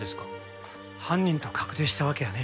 犯人と確定したわけやねえ。